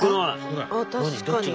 確かに。